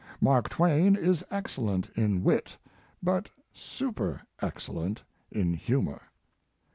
Mark Twain is excellent in wit, but super excellent in humor.